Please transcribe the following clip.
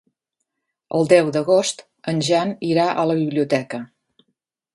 El deu d'agost en Jan irà a la biblioteca.